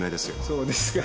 そうですか。